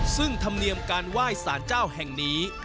ซึ่งธรรมเนียมการไหว้สารเจ้าแห่งนี้